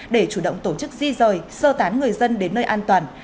để chủ động tổ chức di rời sơ tán người dân đến nơi an toàn